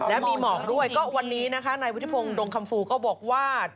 แล้วมีหมอกด้วยก็วันนี้นะคะในวิทยาภงดงคำฟูก็บอกว่า